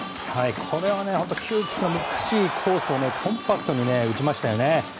これは本当に窮屈な難しいコースをコンパクトに打ちましたよね。